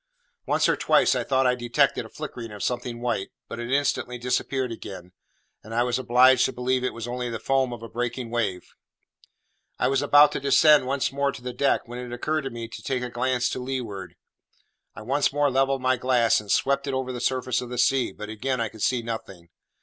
Once or twice I thought I detected a flickering of something white, but it instantly disappeared again; and I was obliged to believe it was only the foam of a breaking wave. I was about to descend once more to the deck, when it occurred to me to take a glance to leeward. I once more levelled my glass, and swept it over the surface of the sea; but again I could see nothing.